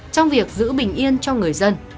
trong việc giữ bình yên cho người dân